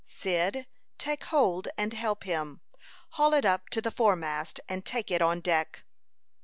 "Cyd, take hold and help him. Haul it up to the foremast, and take it on deck."